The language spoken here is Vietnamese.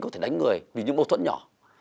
có thể đánh người vì những mâu thuẫn nhỏ